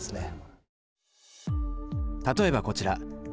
例えばこちら。